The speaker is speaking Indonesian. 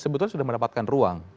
sebetulnya sudah mendapatkan ruang